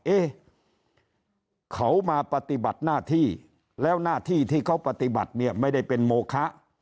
เอ๊ะเขามาปฏิบัติหน้าที่แล้วหน้าที่ที่เขาปฏิบัติเนี่ยไม่ได้เป็นโมคะ